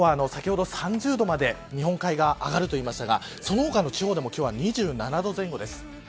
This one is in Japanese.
今日は、先ほど３０度まで日本海側は上がると言いましたがその他の地方でも今日は２７度前後です。